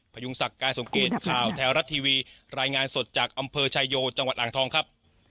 พยุงศักดิ์การสมเกตข่าวแท้รัฐทีวีรายงานสดจากอำเภอชายโยจังหวัดอ่างทองครับ